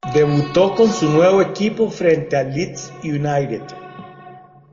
Debutó con su nuevo equipo frente al Leeds United.